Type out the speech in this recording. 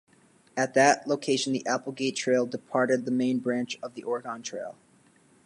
At that location the Applegate Trail departed the main branch of the Oregon Trail.